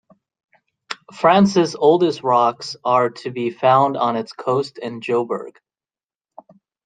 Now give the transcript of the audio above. France's oldest rocks are to be found on its coast in Jobourg.